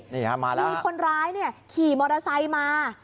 มีคนร้ายขี่มอเตอร์ไซค์มา